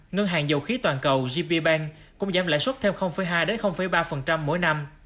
ngân hàng dầu khí toàn cầu gb bank cũng giảm lãi suất thêm hai đến ba mỗi năm